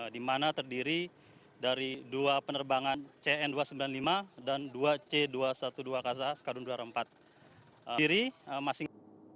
di mana terdiri dari dua penerbangan cn dua ratus sembilan puluh lima dan dua c dua ratus dua belas kazah skadun dua ratus empat kiri